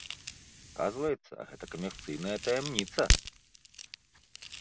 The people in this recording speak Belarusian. Аказваецца, гэта камерцыйная таямніца!